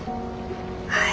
はい。